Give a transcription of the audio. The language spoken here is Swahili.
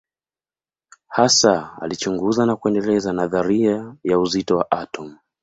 Hasa alichunguza na kuendeleza nadharia ya uzito wa atomu.